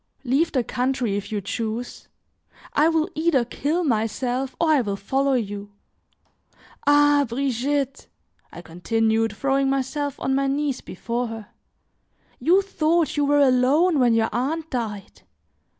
"Leave the country if you choose; I will either kill myself or I will follow you. Ah! Brigitte," I continued, throwing myself on my knees before her, "you thought you were alone when your aunt died!